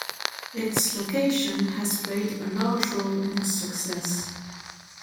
Its location has played a large role in its success.